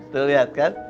tuh lihat kan